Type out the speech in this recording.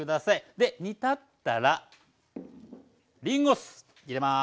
で煮立ったらりんご酢入れます。